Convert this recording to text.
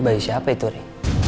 bayi siapa itu ri